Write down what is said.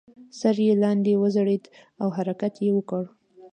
سر یې لاندې وځړید او حرکت یې وکړ.